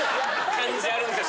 感じあるんですよ